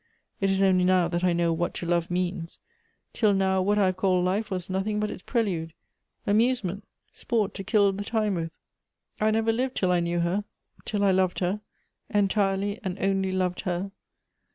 It is only now that I know vhat to love means. Till now, what I have called life vas nothing but its prelude — amusement, sport to kill he time with. I never lived till 1 knew her, till I loved ler — entirely and only loved her.